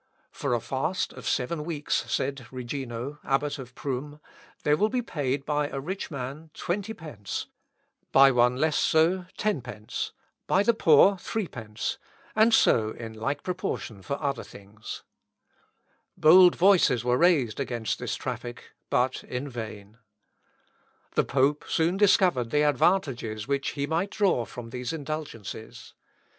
For a fast of seven weeks," says Regino, Abbot of Prum, "there will be paid by a rich man twentypence, by one less so tenpence, by the poor threepence, and so in like proportion for other things." Bold voices were raised against this traffic, but in vain. Libri Duo de Ecclesiasticis Disciplinis. The pope soon discovered the advantages which he might draw from these indulgences.